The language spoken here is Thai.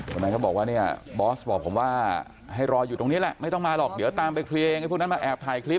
วันนั้นเขาบอกว่าเนี่ยบอสบอกผมว่าให้รออยู่ตรงนี้แหละไม่ต้องมาหรอกเดี๋ยวตามไปเคลียร์ไอ้พวกนั้นมาแอบถ่ายคลิป